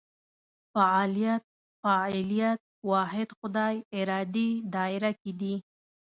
فعالیت فاعلیت واحد خدای ارادې دایره کې دي.